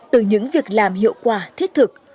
từ những việc làm hiệu quả thiết thực